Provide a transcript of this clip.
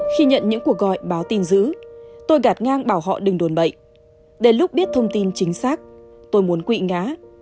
khi nhận những cuộc gọi báo tin giữ tôi gạt ngang bảo họ đừng đồn bậy để lúc biết thông tin chính xác tôi muốn quỵ ngá